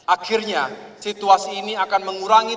akhirnya situasi ini akan mengurangi